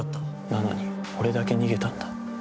なのに俺だけ逃げたんだ。